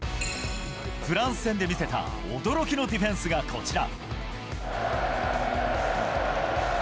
フランス戦で見せた驚きのディフェンスがこちら。